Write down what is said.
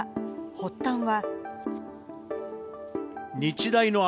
発端は。